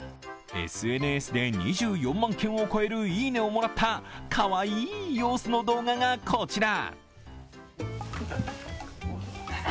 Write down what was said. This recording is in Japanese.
ＳＮＳで２４万件を超える「いいね」をもらったかわいい様子の動画がこちら。